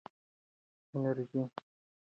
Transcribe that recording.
انرژي ارزانه ده.